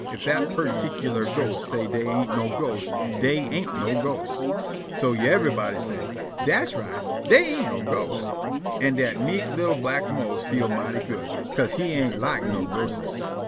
Ef dat perticklar ghost say' dey ain't no ghosts, dey ain't no ghosts." So yiver'body say': "Das right; dey ain' no ghosts." An' dat mek' li'l' black Mose feel mighty good, 'ca'se he ain' lak ghostes.